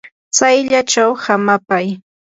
tsayllachaw hamapay.